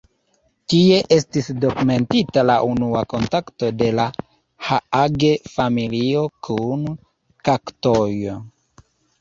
Tie estis dokumentita la unua kontakto de la Haage-familio kun kaktoj.